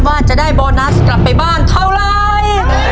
ว่าจะได้โบนัสกลับไปบ้านเท่าไร